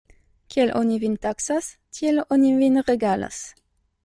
Kiel oni vin taksas, tiel oni vin regalas.